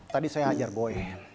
tadi saya ngajar boy